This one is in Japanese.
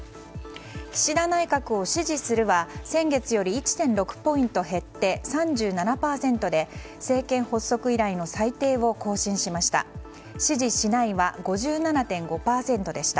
岸田内閣を支持するは先月より１．６ポイント減って３７％で政権発足以来の最低を更新しました。